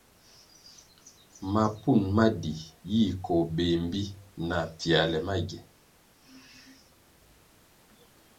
Mapun ma di yi koh béh mbpi na pfięrle magie.